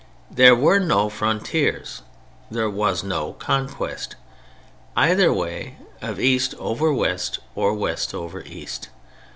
There were no "frontiers:" there was no "conquest" either way—of east over west or west over east.